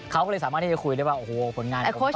เขาก็เลยสามารถที่จะคุยด้วยว่าโอ้โหผลงานตอนทำดูดี